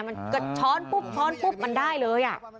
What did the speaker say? มันกระชอนปุ๊บมันได้เลย